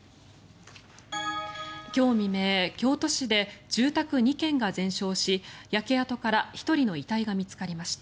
今日未明、京都市で住宅２軒が全焼し焼け跡から１人の遺体が見つかりました。